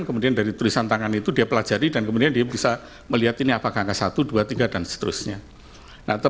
kemudian dari tulisan tangan itu dia pelajari dan kemudian dia bisa melihat ini apakah angka satu dua tiga dan seterusnya